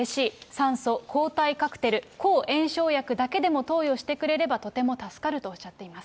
酸素、抗体カクテル、抗炎症薬だけでも投与してくれれば、とても助かるとおっしゃっています。